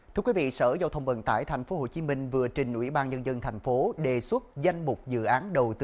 thưa quý vị sở giao thông vận tải tp hcm vừa trình ủy ban nhân dân tp hcm đề xuất danh mục dự án đầu tư